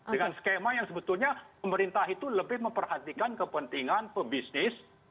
dengan skema yang sebetulnya pemerintah itu lebih memperhatikan kepentingan pebisnis